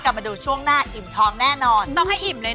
ตามแอฟผู้ชมห้องน้ำด้านนอกกันเลยดีกว่าครับ